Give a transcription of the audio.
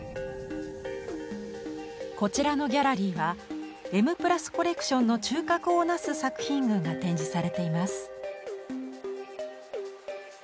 こちらのギャラリーは「Ｍ＋」コレクションの中核を成す作品群が展示されています。